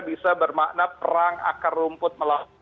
bisa bermakna perang akar rumput